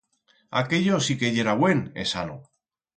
Aquello sí que yera buen e sano.